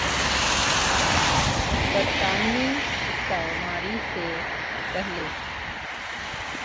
برطانوی استعماری سے پہلے